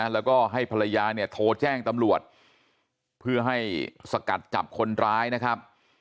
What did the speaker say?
แล้วก็ให้ภรรยาเนี่ยโทรแจ้งตำรวจเพื่อให้สกัดจับคนร้ายนะครับ